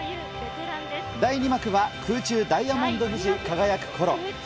第２幕は空中ダイヤモンド富士輝く頃。